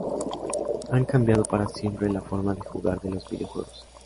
Han cambiado para siempre la forma de jugar de los videojuegos.